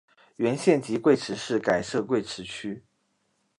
原县级贵池市改设贵池区。